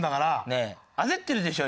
ねえ焦ってるでしょ